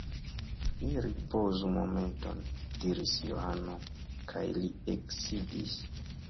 Ni ripozu momenton, diris Johano, kaj li eksidis.